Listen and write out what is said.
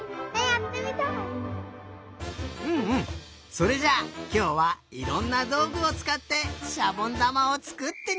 それじゃあきょうはいろんなどうぐをつかってしゃぼんだまをつくってみよう！